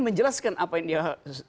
menjelaskan apa yang dia